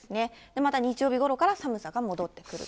また日曜日ごろから、寒さが戻ってくると。